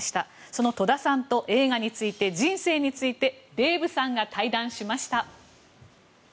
その戸田さんと映画について、人生についてデーブさんが対談しました。